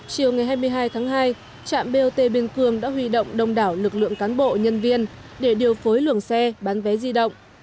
chiều ngày hai mươi hai tháng hai trạm bot biên cương đã huy động đông đảo lực lượng cán bộ nhân viên để điều phối luồng xe bán vé di động